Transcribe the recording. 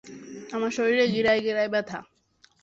আমার শরীরের গিরায় গিরায় ব্যথা।